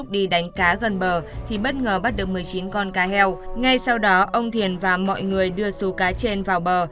đi đánh cá gần bờ thì bất ngờ bắt được một mươi chín con cá heo ngay sau đó ông thiền và mọi người đưa số cá trên vào bờ